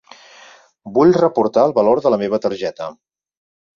Vull reportar el valor de la meva targeta.